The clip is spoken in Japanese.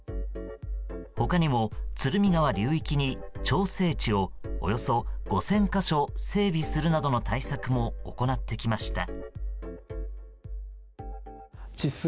他にも、鶴見川流域に調整池をおよそ５０００か所整備するなどの対策も行ってきました。